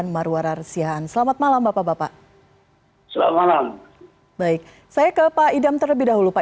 marwarar sian selamat malam bapak bapak selamat malam baik saya ke pak idam terlebih dahulu pak